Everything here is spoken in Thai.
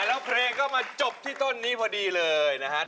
แล้วเพลงก็มาจบที่ต้นนี้พอดีเลยนะครับ